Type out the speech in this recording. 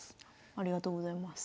ありがとうございます。